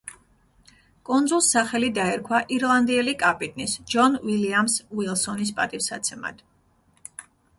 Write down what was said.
კუნძულს სახელი დაერქვა ირლანდიელი კაპიტნის, ჯონ უილიამს უილსონის პატივსაცემად.